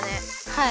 はい。